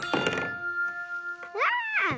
わあ！